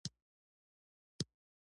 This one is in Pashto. جوړې د ګلو د ښار کوڅې دي